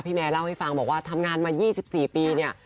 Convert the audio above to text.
พี่แม่เล่าให้ฟังบอกว่าทำงานมายี่สิบสี่ปีเนี่ย